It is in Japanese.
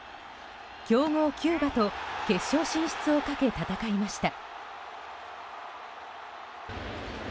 強豪キューバと決勝進出をかけ戦いました。